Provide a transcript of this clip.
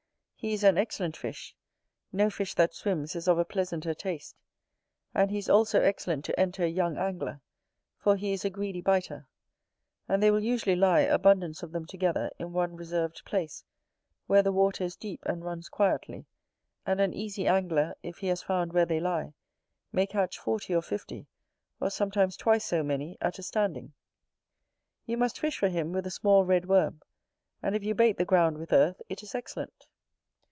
He is an excellent fish; no fish that swims is of a pleasanter taste. And he is also excellent to enter a young angler, for he is a greedy biter: and they will usually lie, abundance of them together, in one reserved place, where the water is deep and runs quietly; and an easy angler, if he has found where they lie, may catch forty or fifty, or sometimes twice so many, at a standing. You must fish for him with a small red worm; and if you bait the ground with earth, it is excellent.